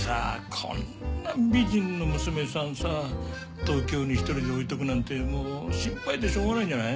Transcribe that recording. こんなに美人の娘さんさ東京に１人で置いとくなんてもう心配でしようがないんじゃない。